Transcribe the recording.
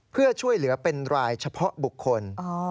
เพื่อช่วยเหลือเป็นรายเฉพาะบุคคล